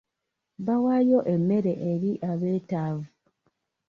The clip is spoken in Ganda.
Bawaayo emmere eri abetaavu.